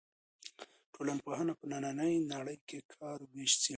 ټولنپوهنه په نننۍ نړۍ کې د کار وېش څېړي.